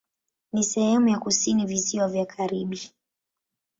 Ni sehemu ya kusini Visiwa vya Karibi.